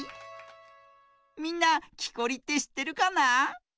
みんなきこりってしってるかな？